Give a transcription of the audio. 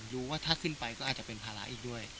รู้ว่าถ้าขึ้นไปก็อาจจะเป็นภาระอีกด้วย